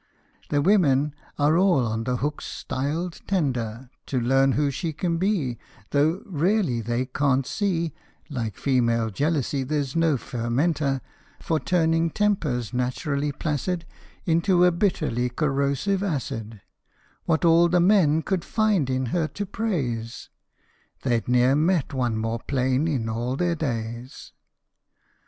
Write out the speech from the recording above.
The women all are on the hooks styled tenter To learn who she can be, Though " really they can't see " Like female jealousy there 's no fermenter For turning tempers naturally placid Into a bitterly corrosive acid " What all the men could find in her to praise They 'd ne'er met one more plain in all their days.